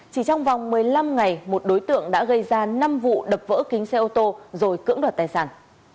chỉ trong vòng một mươi năm ngày một đối tượng đã gây ra năm vụ đập vỡ kính xe ô tô rồi cưỡng đoạt tài sản